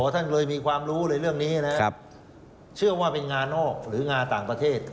ท่านเลยมีความรู้เลยเรื่องนี้นะเชื่อว่าเป็นงานนอกหรืองานต่างประเทศ